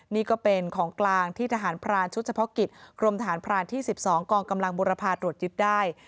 นี่ก็เป็นของกลางที่ทหารพรานชุดเฉพาะกิจกรมทหารพรานที่๑๒กองกำลังบุรพาตรวจยึดได้